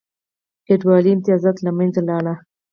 فیوډالي امتیازات له منځه لاړل.